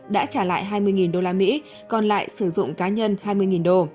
đã trả lại hai mươi usd còn lại sử dụng cá nhân hai mươi đô